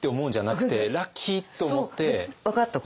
分かったこと。